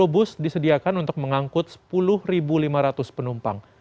tiga ratus lima puluh bus disediakan untuk mengangkut sepuluh lima ratus penumpang